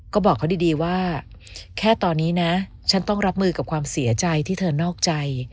ก็บอกเขาดีว่าแค่ตอนนี้นะฉันต้องรับมือกับความเสียใจที่เธอนอกใจ